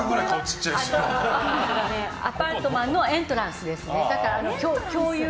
アパートのエントランスですね。